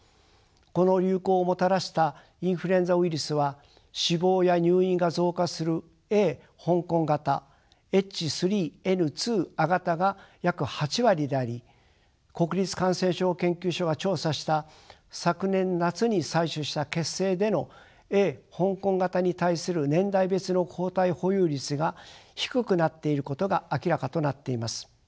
この流行をもたらしたインフルエンザウイルスは死亡や入院が増加するＡ香港型Ｈ３Ｎ２亜型が約８割であり国立感染症研究所が調査した昨年夏に採取した血清でのＡ香港型に対する年代別の抗体保有率が低くなっていることが明らかとなっています。